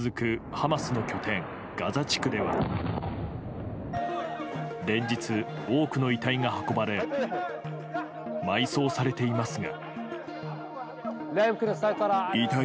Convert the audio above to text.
ハマスの拠点ガザ地区では連日、多くの遺体が運ばれ埋葬されていますが。